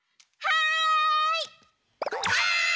はい！